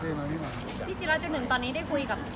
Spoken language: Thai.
เพลงที่มาครับพี่สีระจนหนึ่งตอนเนี้ยได้คุยกับ